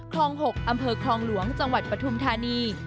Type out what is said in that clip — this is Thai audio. คลอง๖อำเภอคลองหลวงจังหวัดปฐุมธานี